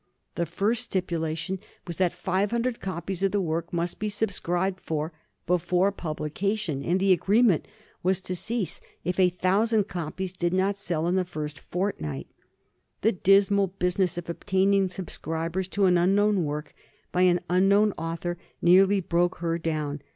The first stipulation was that 500 copies of the work must be subscribed for before publication, and the agreement was to cease if a thousand copies did not sell in the first fortnight. The dismal business of obtaining subscribers to an unknown work by an unknown author nearly broke her down.